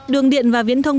đường điện và viễn thông